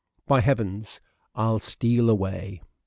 By heavens ! I'll steal away."